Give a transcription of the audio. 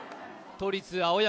都立青山